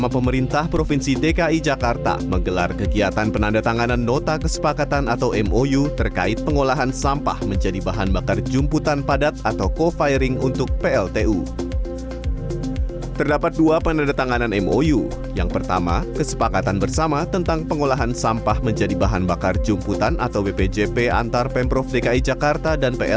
pemprov dki jakarta pln dan pemprov dki jakarta